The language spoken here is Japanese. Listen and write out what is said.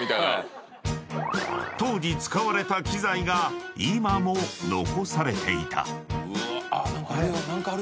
［当時使われた機材が今も残されていた］